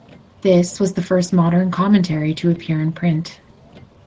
This was the first modern commentary to appear in print.